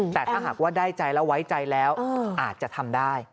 แต่ถ้าหากว่าได้ใจแล้วไว้ใจแล้วอาจจะทำได้